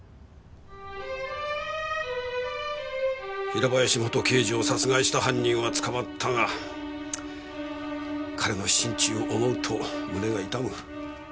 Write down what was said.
平林元刑事を殺害した犯人は捕まったが彼の心中を思うと胸が痛む。